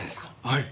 はい。